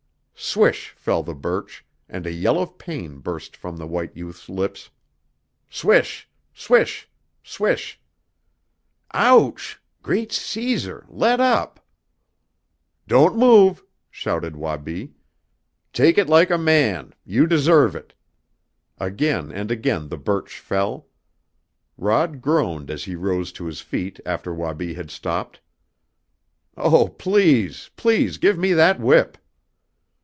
Swish! fell the birch, and a yell of pain burst from the white youth's lips. Swish! Swish! Swish! "Ouch! Great Caesar Let up!" "Don't move!" shouted Wabi. "Take it like a man you deserve it!" Again and again the birch fell. Rod groaned as he rose to his feet after Wabi had stopped. "Oh, please please give me that whip!"